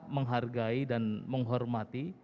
menghargai dan menghormati